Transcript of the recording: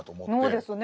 そうですね。